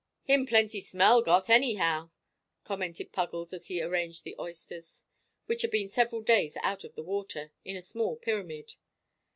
"Him plenty smell got, anyhow," commented Puggles, as he arranged the oysters, which had been several days out of the water, in a small pyramid.